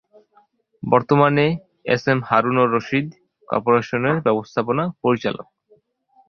বর্তমানে এসএম হারুন-অর-রশিদ কর্পোরেশনের ব্যবস্থাপনা পরিচালক।